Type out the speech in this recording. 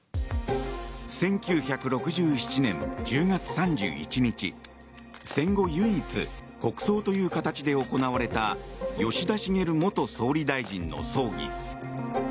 １９６７年１０月３１日戦後唯一国葬という形で行われた吉田茂元総理大臣の葬儀。